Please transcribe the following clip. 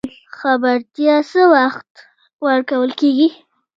خبرتیا څه وخت ورکول کیږي؟